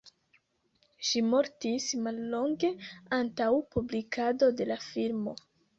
Ŝi mortis mallonge antaŭ publikado de la filmo.